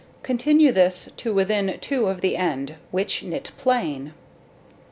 Continue this to within 2 of the end, which knit plain.